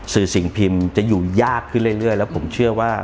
สิ่งพิมพ์จะอยู่ยากขึ้นเรื่อยแล้วผมเชื่อว่า